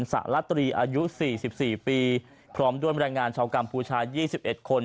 สระลัตรีอายุสี่สิบสี่ปีพร้อมด้วยแรงงานชาวกรรมภูชายี่สิบเอ็ดคน